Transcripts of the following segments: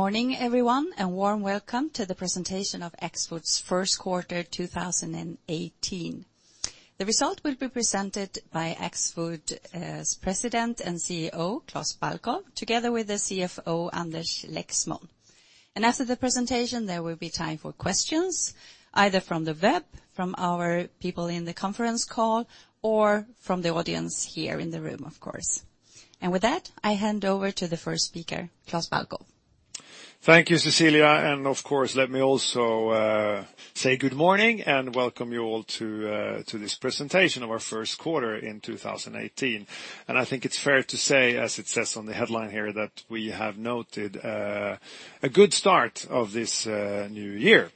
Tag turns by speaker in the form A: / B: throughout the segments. A: Morning, everyone, and warm welcome to the presentation of Axfood's first quarter 2018. The result will be presented by Axfood's President and CEO, Klas Balkow, together with the CFO, Anders Lexmon. After the presentation, there will be time for questions, either from the web, from our people in the conference call, or from the audience here in the room, of course. With that, I hand over to the first speaker, Klas Balkow.
B: Thank you, Cecilia. Of course, let me also say good morning and welcome you all to this presentation of our first quarter in 2018. I think it's fair to say, as it says on the headline here, that we have noted a good start of this new year.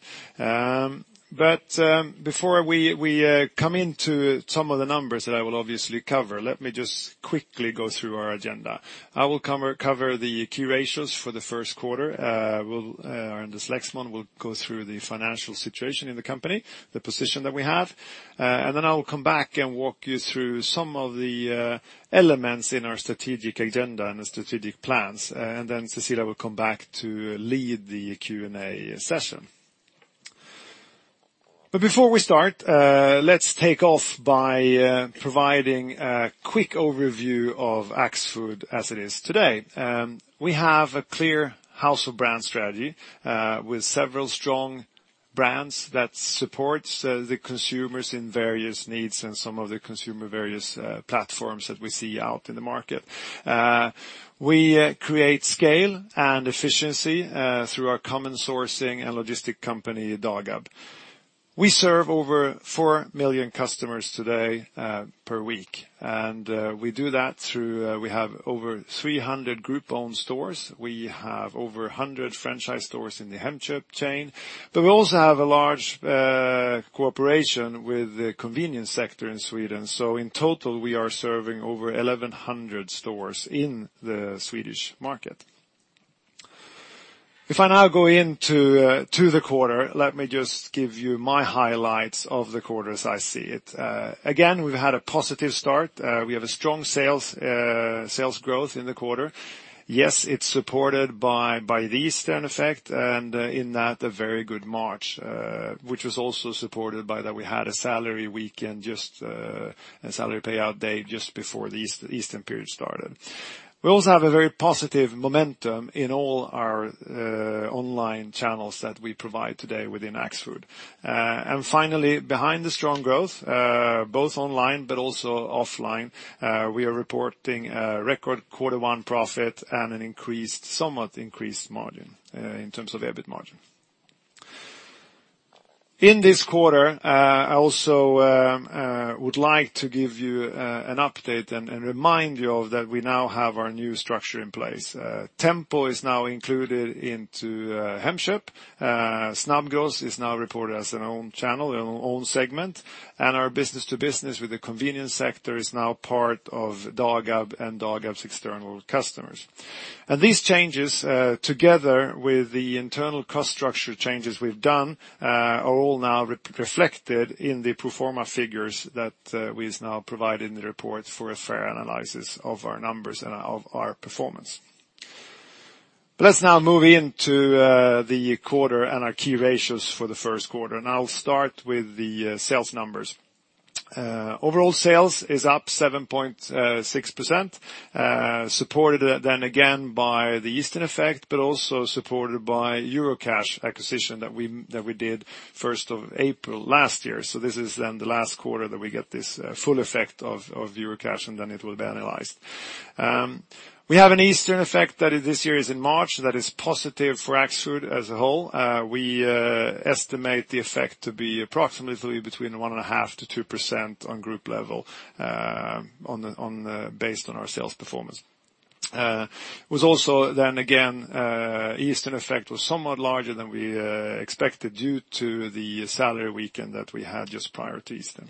B: Before we come into some of the numbers that I will obviously cover, let me just quickly go through our agenda. I will cover the key ratios for the first quarter. Anders Lexmon will go through the financial situation in the company, the position that we have. Then I will come back and walk you through some of the elements in our strategic agenda and strategic plans. Then Cecilia will come back to lead the Q&A session. Before we start, let's take off by providing a quick overview of Axfood as it is today. We have a clear house of brand strategy with several strong brands that supports the consumers in various needs and some of the consumer various platforms that we see out in the market. We create scale and efficiency through our common sourcing and logistics company, Dagab. We serve over 4 million customers today per week. We do that through. We have over 300 group-owned stores. We have over 100 franchise stores in the Hemköp chain, but we also have a large cooperation with the convenience sector in Sweden. In total, we are serving over 1,100 stores in the Swedish market. If I now go into the quarter, let me just give you my highlights of the quarter as I see it. Again, we've had a positive start. We have a strong sales growth in the quarter. Yes, it's supported by the Easter effect and in that, a very good March, which was also supported by that we had a salary weekend, just a salary payout day just before the Easter period started. We also have a very positive momentum in all our online channels that we provide today within Axfood. Finally, behind the strong growth, both online but also offline, we are reporting a record quarter 1 profit and an increased, somewhat increased margin in terms of EBIT margin. In this quarter, I also would like to give you an update and remind you of that we now have our new structure in place. Tempo is now included into Hemköp. Snabbgross is now reported as an owned channel, an owned segment, and our business to business with the convenience sector is now part of Dagab and Dagab's external customers. These changes, together with the internal cost structure changes we have done are all now reflected in the pro forma figures that we now provide in the report for a fair analysis of our numbers and of our performance. Let's now move into the quarter and our key ratios for the first quarter, and I will start with the sales numbers. Overall sales is up 7.6%, supported then again by the Easter effect, but also supported by Eurocash acquisition that we did April 1st last year. So this is then the last quarter that we get this full effect of Eurocash, and then it will be annualized. We have an Easter effect that this year is in March that is positive for Axfood as a whole. We estimate the effect to be approximately between 1.5%-2% on group level based on our sales performance. The Easter effect was also then again somewhat larger than we expected due to the salary weekend that we had just prior to Easter.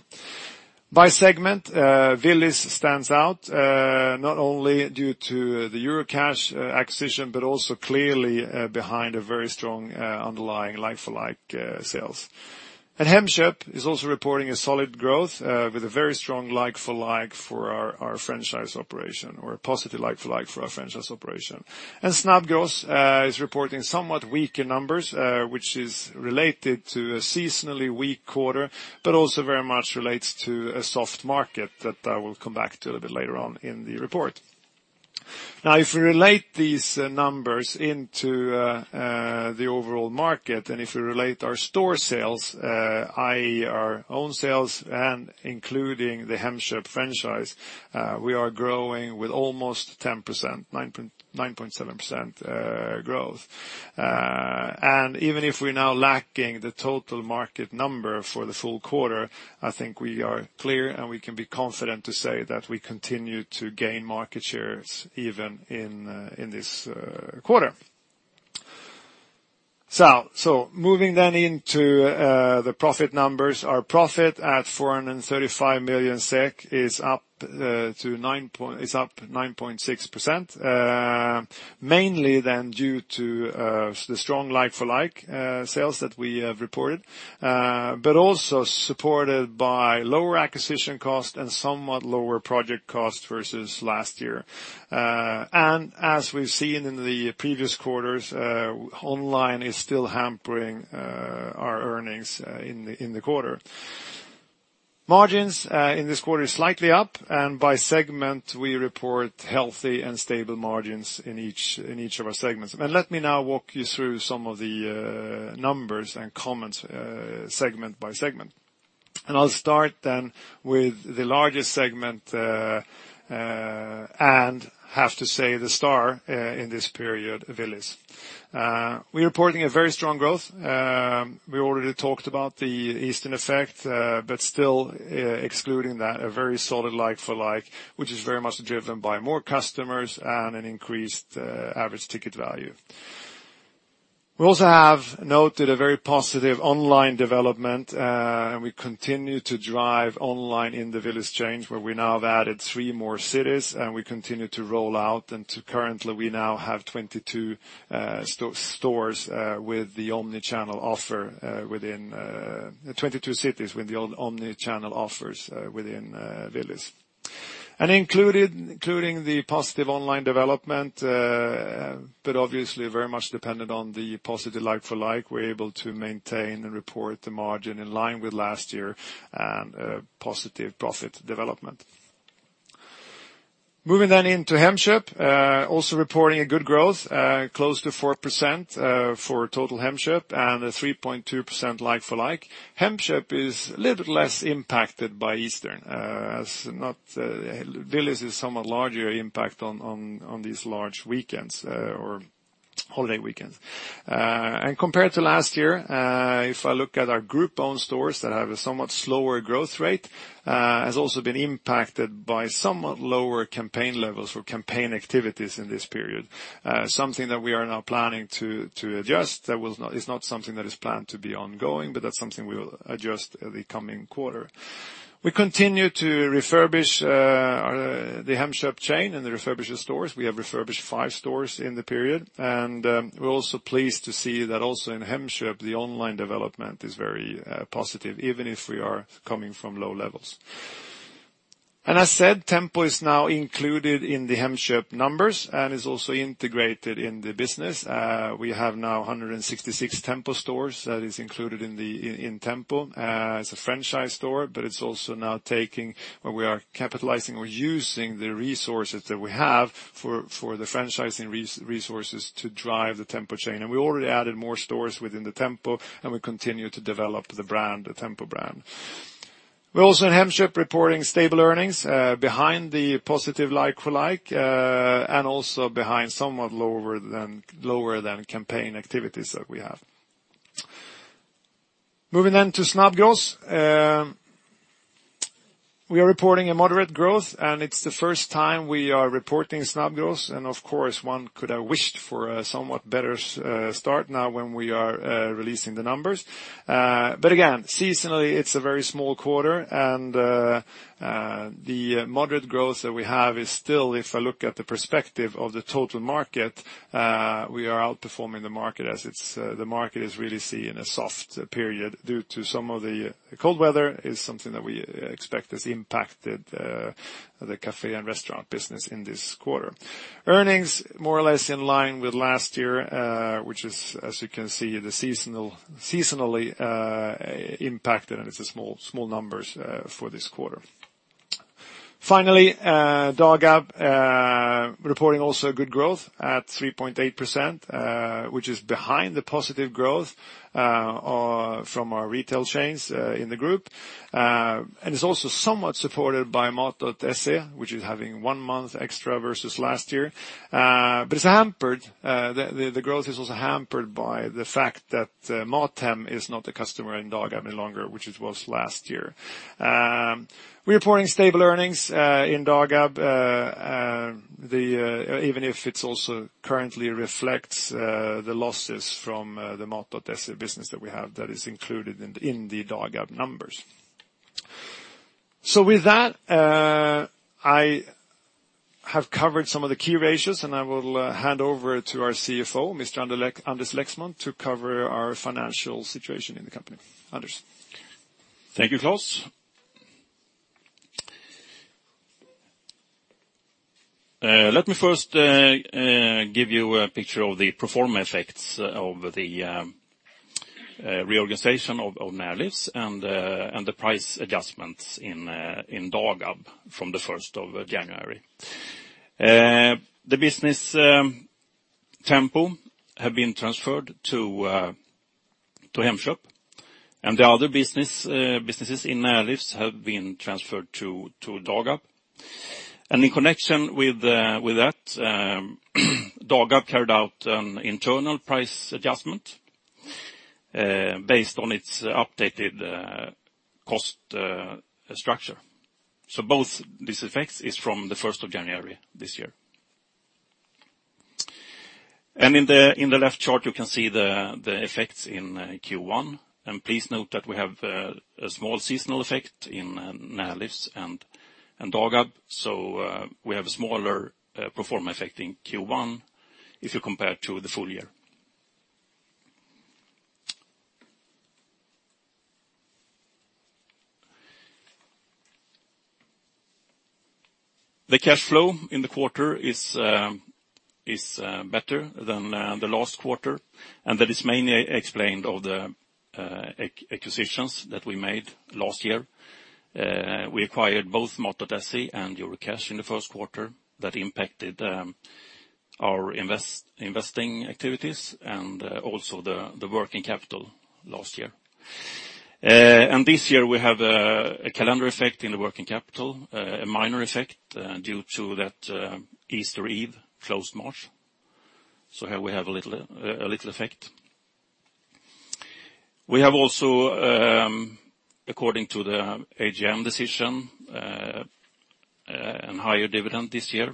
B: By segment, Willys stands out not only due to the Eurocash acquisition, but also clearly behind a very strong underlying like-for-like sales. Hemköp is also reporting a solid growth with a very strong like-for-like for our franchise operation or a positive like-for-like for our franchise operation. Snabbgross is reporting somewhat weaker numbers, which is related to a seasonally weak quarter, but also very much relates to a soft market that I will come back to a little bit later on in the report. If we relate these numbers into the overall market, and if we relate our store sales, i.e., our own sales and including the Hemköp franchise, we are growing with almost 10%, 9.7% growth. Even if we are now lacking the total market number for the full quarter, I think we are clear and we can be confident to say that we continue to gain market shares even in this quarter. Moving then into the profit numbers. Our profit at 435 million SEK is up 9.6%, mainly then due to the strong like-for-like sales that we have reported, but also supported by lower acquisition cost and somewhat lower project cost versus last year. As we have seen in the previous quarters, online is still hampering our earnings in the quarter. Margins in this quarter are slightly up, and by segment, we report healthy and stable margins in each of our segments. Let me now walk you through some of the numbers and comments segment by segment. I will start then with the largest segment, and have to say the star in this period, Willys. We are reporting a very strong growth. We already talked about the Easter effect, but still excluding that, a very solid like-for-like, which is very much driven by more customers and an increased average ticket value. We also have noted a very positive online development, and we continue to drive online in the Willys chain, where we now have added three more cities, and we continue to roll out. Currently we now have 22 cities with the omni-channel offers within Willys. Including the positive online development, but obviously very much dependent on the positive like-for-like, we are able to maintain and report the margin in line with last year and a positive profit development. Moving into Hemköp, also reporting a good growth, close to 4% for total Hemköp and a 3.2% like-for-like. Hemköp is a little bit less impacted by Easter. Willys is somewhat larger impact on these large weekends or holiday weekends. Compared to last year, if I look at our group-owned stores that have a somewhat slower growth rate, has also been impacted by somewhat lower campaign levels or campaign activities in this period. Something that we are now planning to adjust. It is not something that is planned to be ongoing, but that is something we will adjust the coming quarter. We continue to refurbish the Hemköp chain and refurbish the stores. We have refurbished five stores in the period, and we are also pleased to see that also in Hemköp the online development is very positive, even if we are coming from low levels. As said, Tempo is now included in the Hemköp numbers and is also integrated in the business. We have now 166 Tempo stores that is included in Tempo as a franchise store, but it is also now taking where we are capitalizing or using the resources that we have for the franchising resources to drive the Tempo chain. We already added more stores within the Tempo and we continue to develop the brand, the Tempo brand. We are also in Hemköp reporting stable earnings behind the positive like-for-like, and also behind somewhat lower than campaign activities that we have. Moving to Snabbgross. We are reporting a moderate growth, it is the first time we are reporting Snabbgross, of course, one could have wished for a somewhat better start now when we are releasing the numbers. Again, seasonally it is a very small quarter and the moderate growth that we have is still, if I look at the perspective of the total market, we are outperforming the market as the market is really seeing a soft period due to some of the cold weather is something that we expect has impacted the café and restaurant business in this quarter. Earnings more or less in line with last year, which is, as you can see, seasonally impacted and it is small numbers for this quarter. Finally, Dagab reporting also good growth at 3.8%, which is behind the positive growth from our retail chains in the group. It is also somewhat supported by Mat.se, which is having one month extra versus last year. The growth is also hampered by the fact that Mat.se is not a customer in Dagab any longer, which it was last year. We are reporting stable earnings in Dagab, even if it also currently reflects the losses from the Mat.se business that we have that is included in the Dagab numbers. With that, I have covered some of the key ratios, I will hand over to our CFO, Mr. Anders Lexmon, to cover our financial situation in the company. Anders?
C: Thank you, Klas. Let me first give you a picture of the pro forma effects of the reorganization of Närlivs and the price adjustments in Dagab from the 1st of January. The business Tempo have been transferred to Hemköp, the other businesses in Närlivs have been transferred to Dagab. In connection with that, Dagab carried out an internal price adjustment based on its updated cost structure. Both these effects is from the 1st of January this year. In the left chart, you can see the effects in Q1. Please note that we have a small seasonal effect in Närlivs and Dagab, so we have a smaller pro forma effect in Q1 if you compare to the full year. The cash flow in the quarter is better than the last quarter, and that is mainly explained of the acquisitions that we made last year. We acquired both Mat.se and Eurocash in the first quarter that impacted our investing activities and also the working capital last year. This year we have a calendar effect in the working capital, a minor effect due to that Easter eve closed March. Here we have a little effect. We have also, according to the AGM decision, a higher dividend this year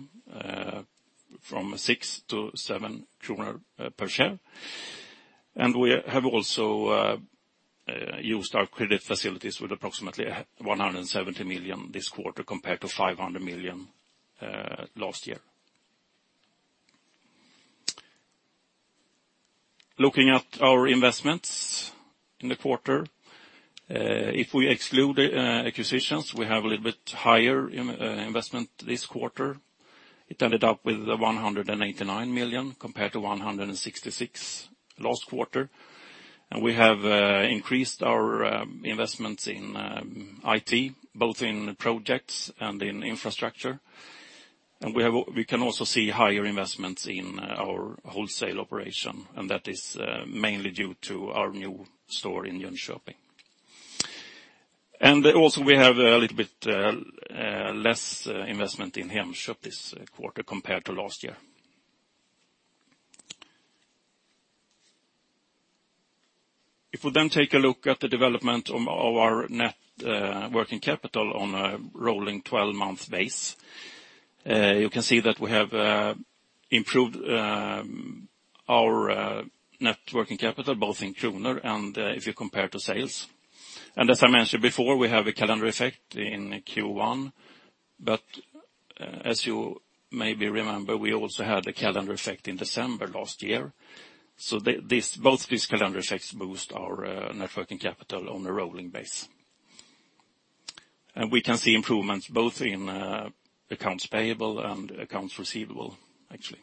C: from 6 to 7 kronor per share. We have also used our credit facilities with approximately 170 million this quarter, compared to 500 million last year. Looking at our investments in the quarter, if we exclude acquisitions, we have a little bit higher investment this quarter. It ended up with 189 million compared to 166 last quarter. We have increased our investments in IT, both in projects and in infrastructure. We can also see higher investments in our wholesale operation, and that is mainly due to our new store in Jönköping. Also we have a little bit less investment in Hemköp this quarter compared to last year. If we take a look at the development of our net working capital on a rolling 12-month base, you can see that we have improved our net working capital both in SEK and if you compare to sales. As I mentioned before, we have a calendar effect in Q1. As you maybe remember, we also had a calendar effect in December last year. Both these calendar effects boost our net working capital on a rolling base. We can see improvements both in accounts payable and accounts receivable, actually.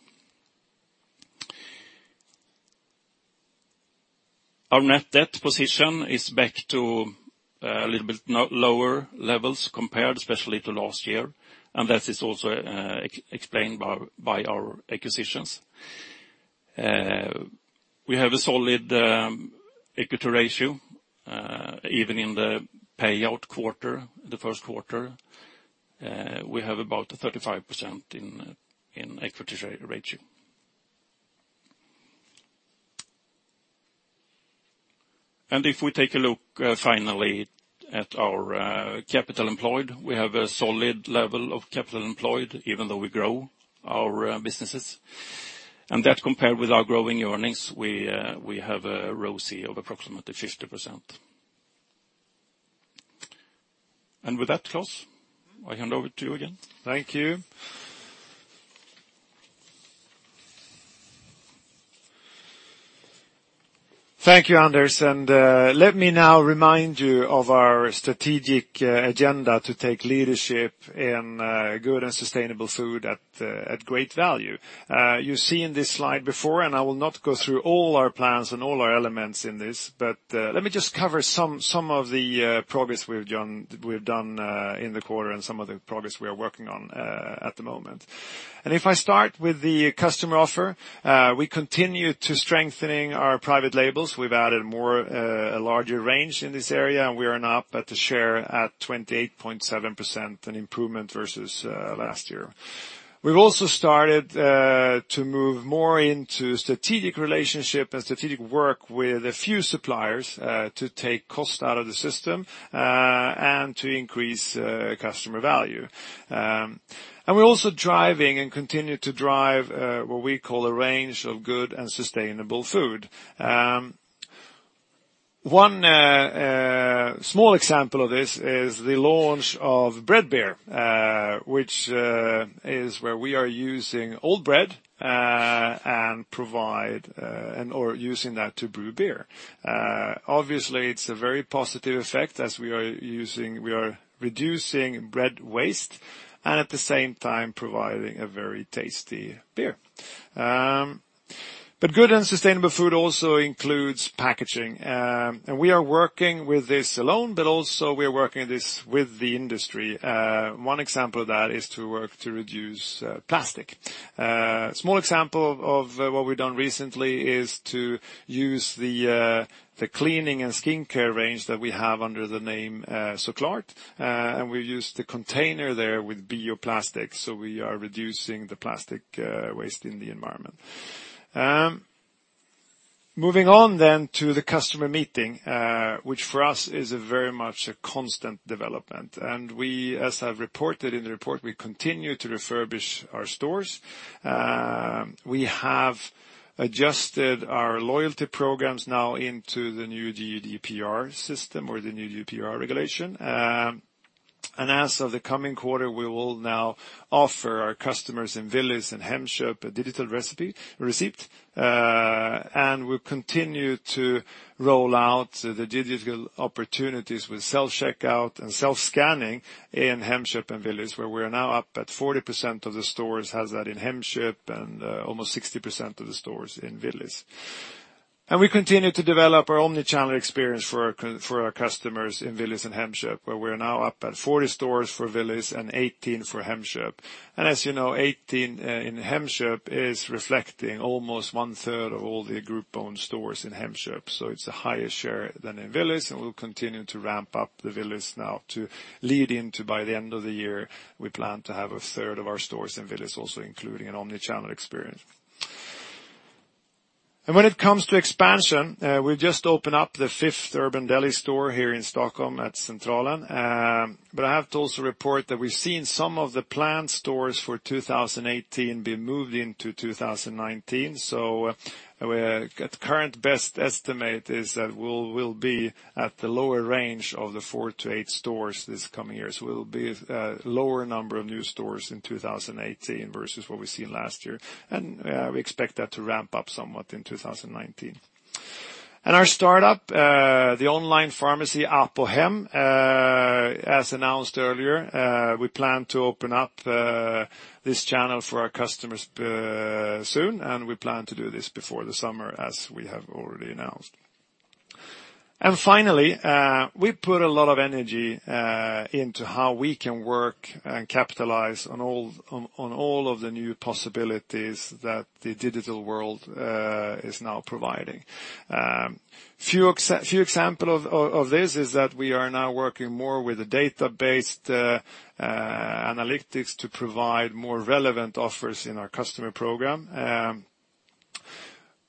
C: Our net debt position is back to a little bit lower levels compared especially to last year, and that is also explained by our acquisitions. We have a solid equity ratio, even in the payout quarter, the first quarter. We have about 35% in equity ratio. If we take a look finally at our capital employed, we have a solid level of capital employed even though we grow our businesses. That compared with our growing earnings, we have a ROCE of approximately 50%. With that, Klas, I hand over to you again.
B: Thank you. Thank you, Anders. Let me now remind you of our strategic agenda to take leadership in good and sustainable food at great value. You've seen this slide before. I will not go through all our plans and all our elements in this, but let me just cover some of the progress we've done in the quarter and some of the progress we are working on at the moment. If I start with the customer offer, we continue to strengthening our private labels. We've added a larger range in this area, and we are now up at the share at 28.7%, an improvement versus last year. We've also started to move more into strategic relationship and strategic work with a few suppliers to take cost out of the system and to increase customer value. We're also driving and continue to drive what we call a range of good and sustainable food. One small example of this is the launch of bread beer which is where we are using old bread and using that to brew beer. Obviously, it's a very positive effect as we are reducing bread waste and at the same time providing a very tasty beer. Good and sustainable food also includes packaging. We are working with this alone, but also we are working this with the industry. One example of that is to work to reduce plastic. A small example of what we've done recently is to use the cleaning and skincare range that we have under the name Så klart, and we've used the container there with bioplastic, so we are reducing the plastic waste in the environment. Moving on to the customer meeting which for us is very much a constant development. We, as I've reported in the report, we continue to refurbish our stores. We have adjusted our loyalty programs now into the new GDPR system or the new GDPR regulation. As of the coming quarter, we will now offer our customers in Willys and Hemköp a digital receipt. We'll continue to roll out the digital opportunities with self-checkout and self-scanning in Hemköp and Willys, where we are now up at 40% of the stores have that in Hemköp and almost 60% of the stores in Willys. We continue to develop our omni-channel experience for our customers in Willys and Hemköp, where we're now up at 40 stores for Willys and 18 for Hemköp. As you know, 18 in Hemköp is reflecting almost one-third of all the group-owned stores in Hemköp. It's a higher share than in Willys, and we'll continue to ramp up the Willys now to lead into, by the end of the year, we plan to have a third of our stores in Willys also including an omni-channel experience. When it comes to expansion, we've just opened up the fifth Urban Deli store here in Stockholm at Centralen. I have to also report that we've seen some of the planned stores for 2018 being moved into 2019. At the current best estimate is that we'll be at the lower range of the 4 to 8 stores this coming year. It'll be a lower number of new stores in 2018 versus what we've seen last year, and we expect that to ramp up somewhat in 2019. Our startup, the online pharmacy Apohem, as announced earlier, we plan to open up this channel for our customers soon. We plan to do this before the summer, as we have already announced. Finally, we put a lot of energy into how we can work and capitalize on all of the new possibilities that the digital world is now providing. Few example of this is that we are now working more with the data-based analytics to provide more relevant offers in our customer program.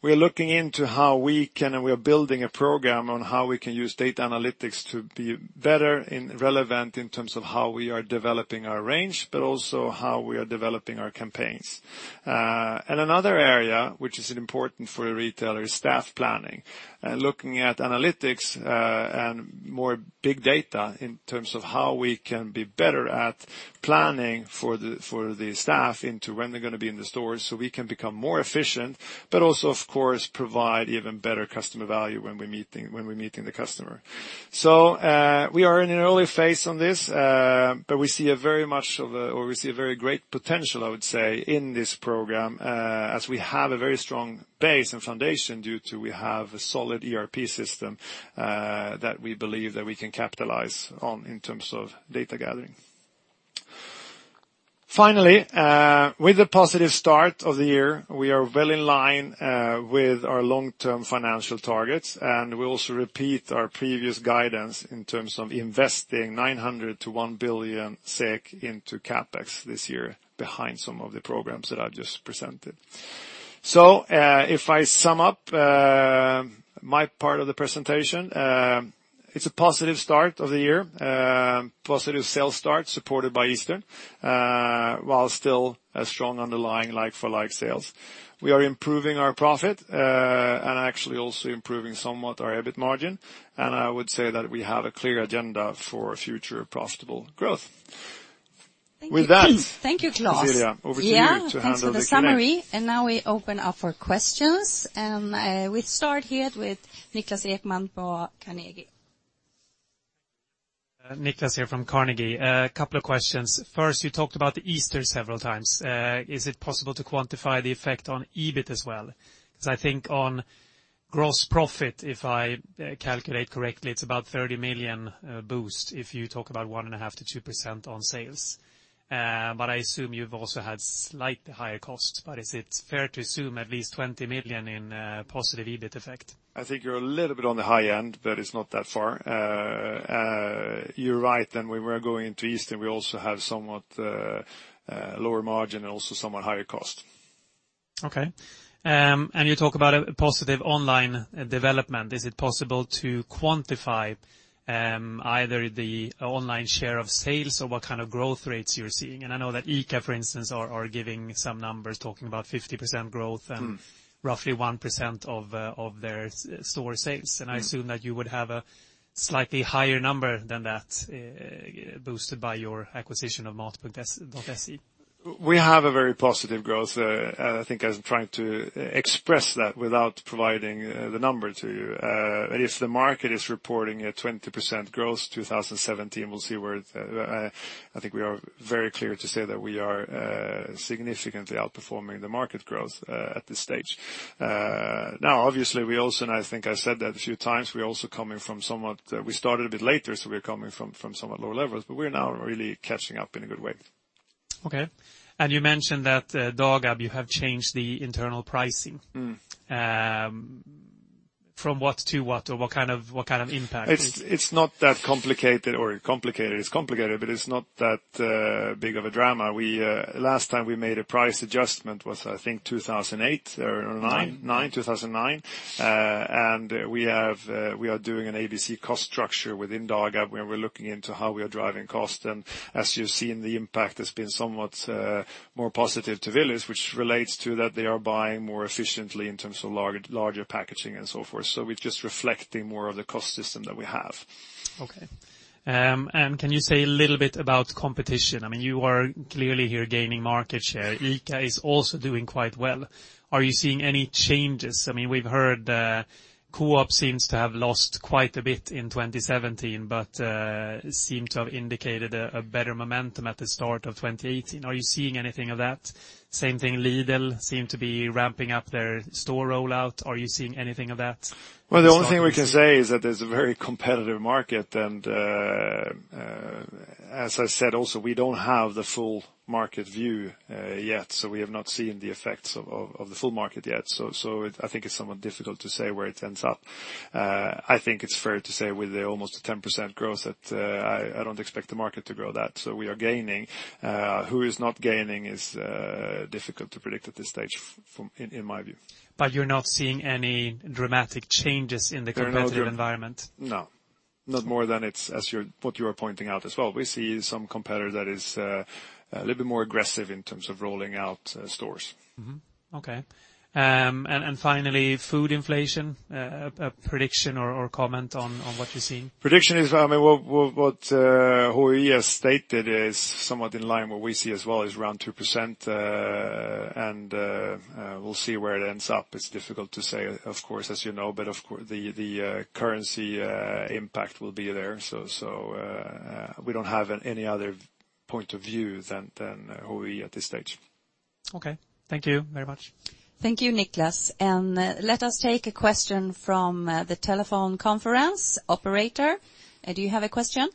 B: We are looking into how we are building a program on how we can use data analytics to be better and relevant in terms of how we are developing our range, but also how we are developing our campaigns. Another area which is important for a retailer is staff planning. Looking at analytics, more big data in terms of how we can be better at planning for the staff into when they're going to be in the store so we can become more efficient, but also, of course, provide even better customer value when we're meeting the customer. We are in an early phase on this, but we see a very great potential, I would say, in this program, as we have a very strong base and foundation due to we have a solid ERP system, that we believe that we can capitalize on in terms of data gathering. Finally, with the positive start of the year, we are well in line with our long-term financial targets. We also repeat our previous guidance in terms of investing 900 million to 1 billion SEK into CapEx this year behind some of the programs that I've just presented. If I sum up my part of the presentation, it's a positive start of the year. Positive sales start supported by Easter, while still a strong underlying like-for-like sales. We are improving our profit, and actually also improving somewhat our EBIT margin. I would say that we have a clear agenda for future profitable growth. With that.
A: Thank you.
B: Cecilia, over to you to handle the Q&A.
A: Yeah, thanks for the summary. Now we open up for questions. We'll start here with Niklas Ekman for Carnegie.
D: Niklas here from Carnegie. Couple of questions. First, you talked about Easter several times. Is it possible to quantify the effect on EBIT as well? I think on gross profit, if I calculate correctly, it's about 30 million boost if you talk about 1.5%-2% on sales. I assume you've also had slightly higher costs. Is it fair to assume at least 20 million in positive EBIT effect?
B: I think you're a little bit on the high end, it's not that far. You're right that when we are going into Easter, we also have somewhat lower margin and also somewhat higher cost.
D: Okay. You talk about a positive online development. Is it possible to quantify either the online share of sales or what kind of growth rates you're seeing? I know that ICA, for instance, are giving some numbers, talking about 50% growth and roughly 1% of their store sales. I assume that you would have a slightly higher number than that, boosted by your acquisition of Mat.se.
B: We have a very positive growth. I think I was trying to express that without providing the number to you. If the market is reporting a 20% growth 2017, we'll see where it. I think we are very clear to say that we are significantly outperforming the market growth at this stage. Obviously, I think I said that a few times, we started a bit later, so we're coming from somewhat lower levels, but we're now really catching up in a good way.
D: Okay. You mentioned that Dagab, you have changed the internal pricing. From what to what? What kind of impact?
B: It's not that complicated. It's complicated, but it's not that big of a drama. Last time we made a price adjustment was, I think, 2008 or 2009.
D: Nine.
B: 2009. We are doing an ABC cost structure within Dagab, where we're looking into how we are driving cost. As you're seeing, the impact has been somewhat more positive to Willys, which relates to that they are buying more efficiently in terms of larger packaging and so forth. We're just reflecting more of the cost system that we have.
D: Okay. Can you say a little bit about competition? You are clearly here gaining market share. ICA is also doing quite well. Are you seeing any changes? We've heard Coop seems to have lost quite a bit in 2017, but seem to have indicated a better momentum at the start of 2018. Are you seeing anything of that? Same thing, Lidl seem to be ramping up their store rollout. Are you seeing anything of that?
B: Well, the only thing we can say is that there's a very competitive market. As I said, also, we don't have the full market view yet, we have not seen the effects of the full market yet. I think it's somewhat difficult to say where it ends up. I think it's fair to say with the almost 10% growth that I don't expect the market to grow that, we are gaining. Who is not gaining is difficult to predict at this stage, in my view.
D: You're not seeing any dramatic changes in the competitive environment?
B: No. Not more than what you are pointing out as well. We see some competitor that is a little bit more aggressive in terms of rolling out stores.
D: Mm-hmm. Okay. Finally, food inflation, a prediction or comment on what you're seeing?
B: Prediction is, what Hui has stated is somewhat in line. What we see as well is around 2%, and we'll see where it ends up. It's difficult to say, of course, as you know, but the currency impact will be there. We don't have any other point of view than Hui at this stage.
D: Okay. Thank you very much.
A: Thank you, Niklas. Let us take a question from the telephone conference. Operator, do you have a question?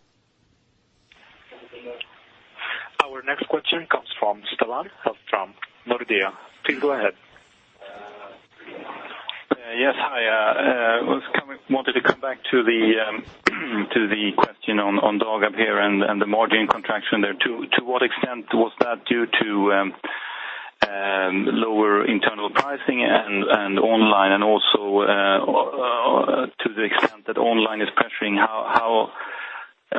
E: Our next question comes from Stellan from Nordea. Please go ahead.
F: Yes, hi. I wanted to come back to the question on Dagab here and the margin contraction there. To what extent was that due to lower internal pricing and online? Also, to the extent that online is pressuring,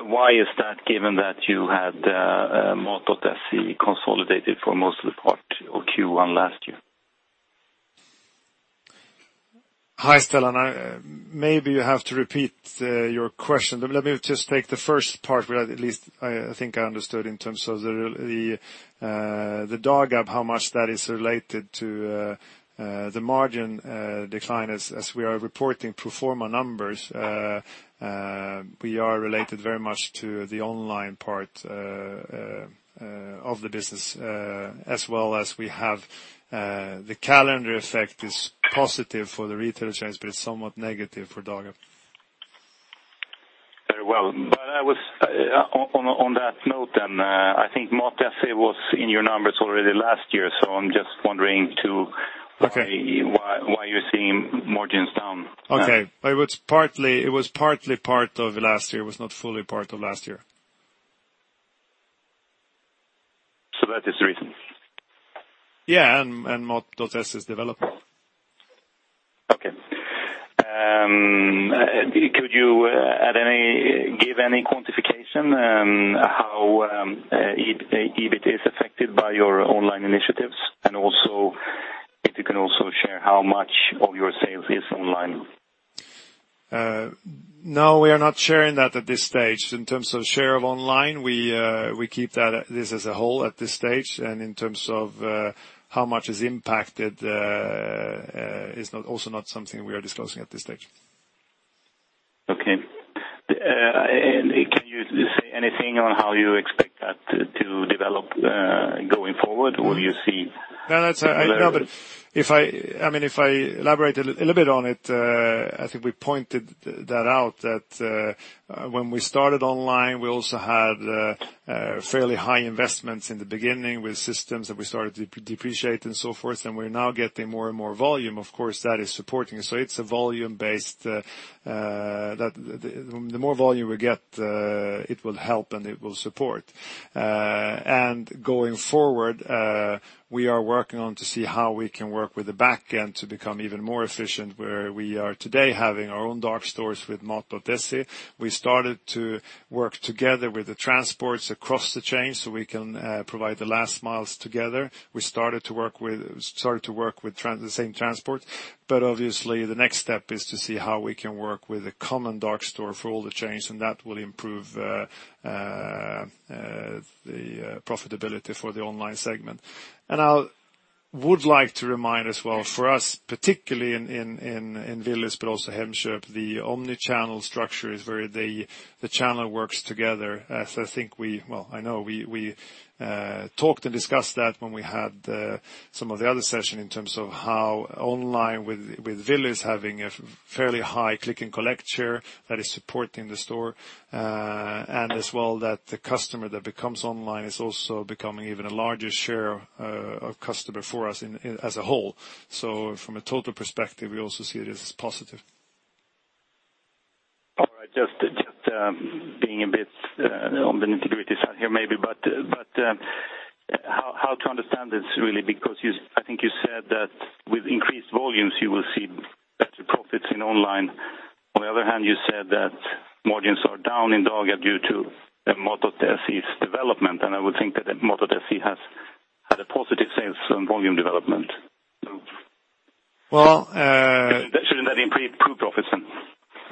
F: why is that, given that you had Mat.se consolidated for most of the part of Q1 last year?
B: Hi, Stellan. Maybe you have to repeat your question. Let me just take the first part, at least I think I understood in terms of the Dagab, how much that is related to the margin decline as we are reporting pro forma numbers. We are related very much to the online part of the business as well as we have the calendar effect is positive for the retail chains, but it's somewhat negative for Dagab.
F: Very well. On that note, I think Mat.se was in your numbers already last year, I'm just wondering too.
B: Okay
F: Why you're seeing margins down?
B: Okay. It was partly part of last year, was not fully part of last year.
F: That is the reason?
B: Yeah, Mat.se's development.
F: Okay. Could you give any quantification how EBIT is affected by your online initiatives? Also if you can also share how much of your sales is online?
B: No, we are not sharing that at this stage. In terms of share of online, we keep this as a whole at this stage. In terms of how much is impacted is also not something we are disclosing at this stage.
F: Okay. Can you say anything on how you expect that to develop going forward?
B: No, if I elaborate a little bit on it, I think we pointed that out that when we started online, we also had fairly high investments in the beginning with systems that we started to depreciate and so forth, we're now getting more and more volume. Of course, that is supporting. It's volume-based. The more volume we get it will help, and it will support. Going forward, we are working on to see how we can work with the back end to become even more efficient, where we are today having our own dark stores with Mat.se. We started to work together with the transports across the chain so we can provide the last miles together. We started to work with the same transport, obviously, the next step is to see how we can work with a common dark store for all the chains, that will improve the profitability for the online segment. I would like to remind as well, for us, particularly in Willys but also Hemköp, the omni-channel structure is where the channel works together. I know we talked and discussed that when we had some of the other session in terms of how online with Willys having a fairly high click-and-collect share that is supporting the store, as well that the customer that becomes online is also becoming even a larger share of customer for us as a whole. From a total perspective, we also see it as positive.
F: Just being a bit on the nitty-gritty side here maybe, how to understand this really? I think you said that with increased volumes you will see better profits in online. On the other hand, you said that margins are down in Dagab due to Mat.se's development, I would think that Mat.se has had a positive sales volume development.
B: Well-
F: Shouldn't that improve profits then?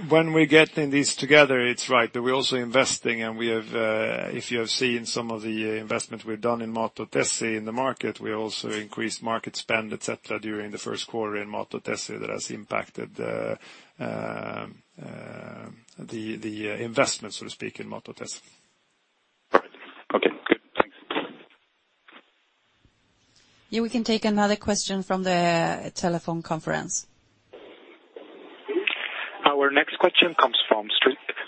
B: When we're getting these together, it's right that we're also investing and if you have seen some of the investment we've done in Mat.se in the market, we also increased market spend, et cetera, during the first quarter in Mat.se that has impacted the investment, so to speak, in Mat.se.
F: Right. Okay, good. Thanks.
A: Yeah, we can take another question from the telephone conference.
E: Our next question comes from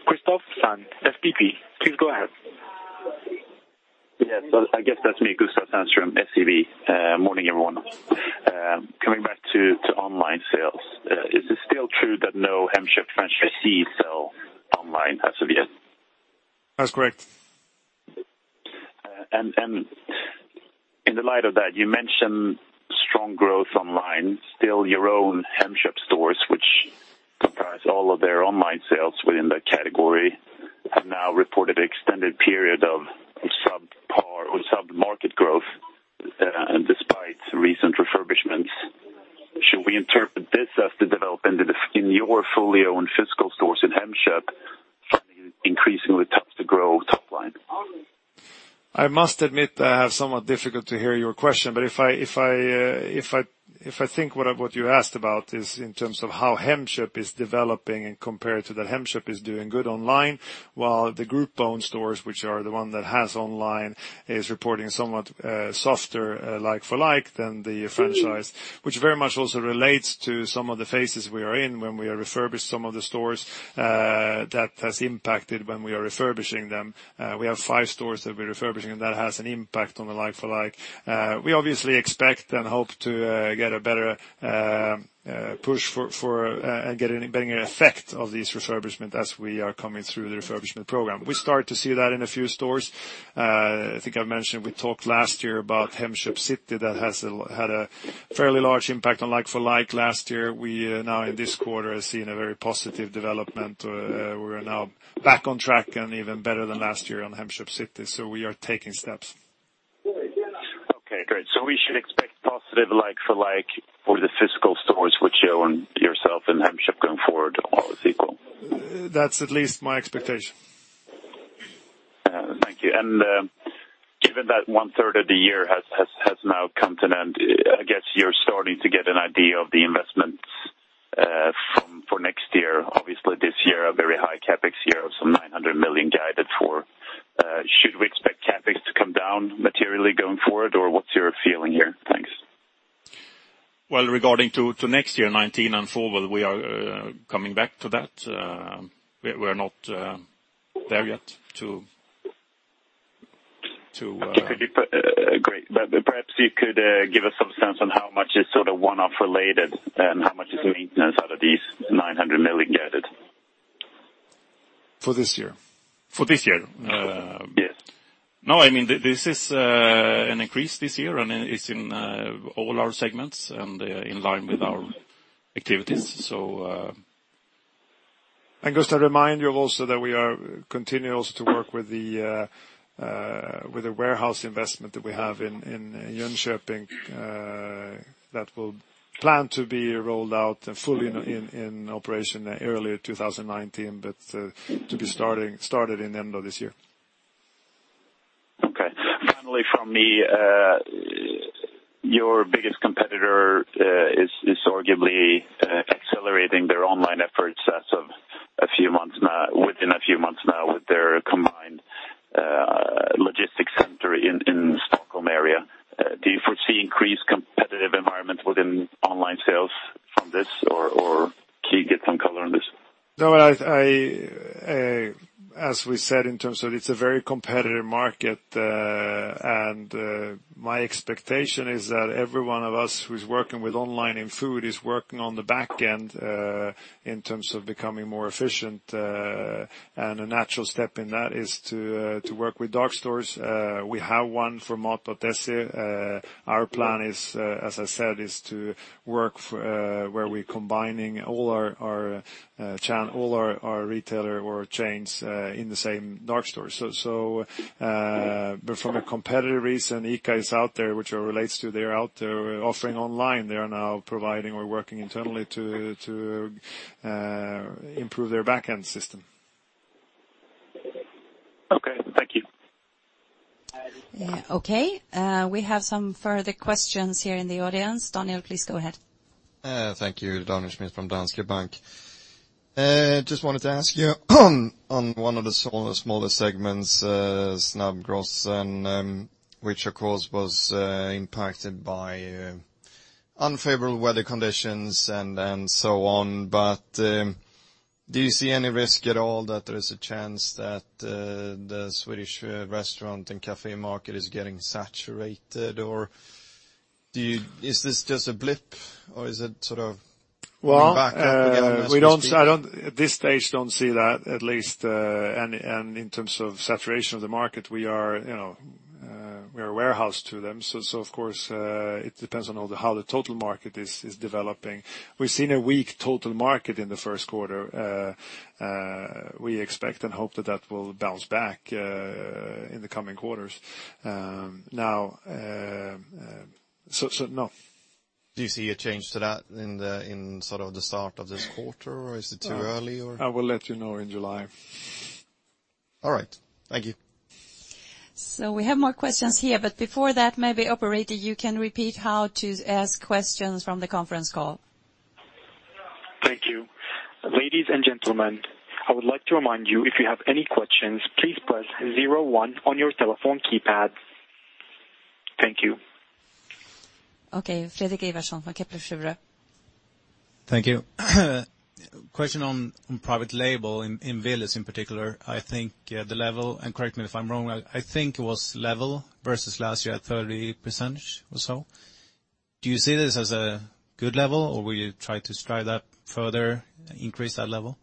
E: Gustaf Sandström, SEB. Please go ahead.
G: I guess that's me, Gustaf Sandström, SEB. Morning, everyone. Coming back to online sales, is it still true that no Hemköp franchisee sell online as of yet?
B: That's correct.
G: In the light of that, you mentioned strong growth online. Your own Hemköp stores, which comprise all of their online sales within that category, have now reported extended period of sub-par or sub-market growth, despite recent refurbishments. Should we interpret this as the development in your fully owned physical stores in Hemköp finding it increasingly tough to grow top line?
B: I must admit I have somewhat difficult to hear your question. If I think what you asked about is in terms of how Hemköp is developing and compared to that Hemköp is doing good online, while the group-owned stores, which are the one that has online, is reporting somewhat softer like-for-like than the franchise. Very much also relates to some of the phases we are in when we refurbished some of the stores. That has impacted when we are refurbishing them. We have five stores that we're refurbishing, and that has an impact on the like-for-like. We obviously expect and hope to get a better push and getting better effect of these refurbishment as we are coming through the refurbishment program. We start to see that in a few stores. I think I've mentioned we talked last year about Hemköp City that had a fairly large impact on like-for-like last year. We now in this quarter have seen a very positive development. We are now back on track and even better than last year on Hemköp City. We are taking steps.
G: Okay, great. We should expect positive like-for-like for the physical stores which you own yourself in Hemköp going forward, all is equal?
B: That's at least my expectation.
G: Thank you. Given that one third of the year has now come to an end, I guess you're starting to get an idea of the investments for next year. Obviously this year, a very high CapEx year of some 900 million guided for. Should we expect CapEx to come down materially going forward, or what's your feeling here? Thanks.
B: Well, regarding to next year, 2019 and forward, we are coming back to that. We're not there yet.
G: Great. Perhaps you could give us some sense on how much is sort of one-off related and how much is maintenance out of these 900 million guided?
B: For this year?
G: For this year.
B: This is an increase this year, and it's in all our segments and in line with our activities. Gustaf remind you also that we are continual to work with the warehouse investment that we have in Jönköping that will plan to be rolled out fully in operation early 2019, but to be started in the end of this year.
G: Okay. Finally from me, your biggest competitor is arguably accelerating their online efforts within a few months now with their combined logistics center in Stockholm area. Do you foresee increased competitive environment within online sales from this, or can you get some color on this?
B: As we said, in terms of it's a very competitive market, and my expectation is that every one of us who's working with online and food is working on the back end, in terms of becoming more efficient, and a natural step in that is to work with dark stores. We have one for Mat.se. Our plan is, as I said, is to work where we're combining all our retailer or chains in the same dark store. From a competitive reason, ICA is out there, which relates to they're out there offering online. They are now providing or working internally to improve their back-end system.
G: Okay. Thank you.
A: Okay. We have some further questions here in the audience. Daniel, please go ahead.
H: Thank you. Daniel Schmidt from Danske Bank. Just wanted to ask you on one of the smaller segments, Snabbgross, and which of course was impacted by unfavorable weather conditions and so on, but do you see any risk at all that there is a chance that the Swedish restaurant and cafe market is getting saturated or is this just a blip or is it sort of going back up again, as we speak?
B: At this stage, I don't see that at least. In terms of saturation of the market, we are a warehouse to them. Of course, it depends on how the total market is developing. We've seen a weak total market in the first quarter. We expect and hope that that will bounce back in the coming quarters. No.
H: Do you see a change to that in the start of this quarter, or is it too early?
B: I will let you know in July.
H: All right. Thank you.
A: We have more questions here, but before that, maybe operator, you can repeat how to ask questions from the conference call.
E: Thank you. Ladies and gentlemen, I would like to remind you, if you have any questions, please press 01 on your telephone keypad. Thank you.
A: Okay. Fredrik Ivarsson from Kepler Cheuvreux.
I: Thank you. Question on private label in Willys in particular, I think the level, and correct me if I'm wrong, I think it was level versus last year at 30% or so. Do you see this as a good level, or will you try to strive that further, increase that level?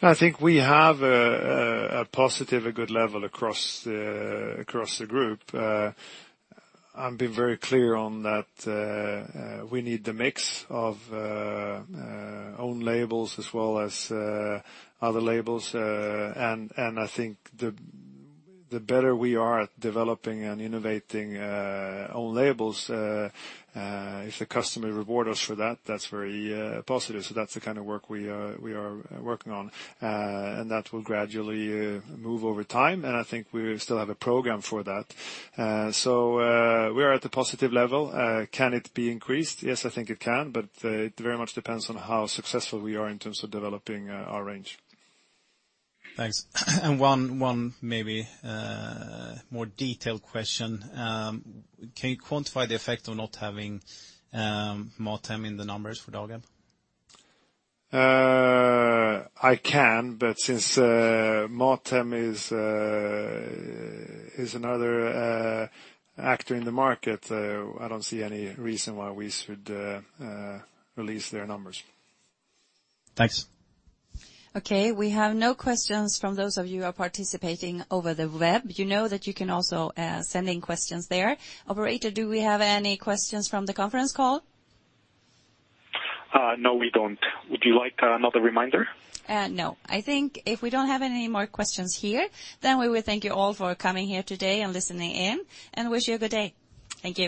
B: I think we have a positive, a good level across the group. I've been very clear on that we need the mix of own labels as well as other labels. I think the better we are at developing and innovating own labels, if the customer reward us for that's very positive. That's the kind of work we are working on. That will gradually move over time, and I think we still have a program for that. We are at a positive level. Can it be increased? Yes, I think it can, but it very much depends on how successful we are in terms of developing our range.
I: Thanks. One maybe more detailed question. Can you quantify the effect of not having Mat.se in the numbers for Dagab?
B: I can, but since Mat.se is another actor in the market, I don't see any reason why we should release their numbers.
I: Thanks.
A: Okay, we have no questions from those of you who are participating over the web. You know that you can also send in questions there. Operator, do we have any questions from the conference call?
E: No, we don't. Would you like another reminder?
A: No. I think if we don't have any more questions here, we will thank you all for coming here today and listening in, and wish you a good day. Thank you.